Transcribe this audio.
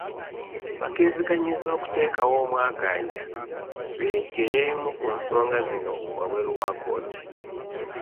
Bakkiriziganyizza okuteekawo omwagaanya beegeyeemu ku nsonga zino wabweru wa kkooti.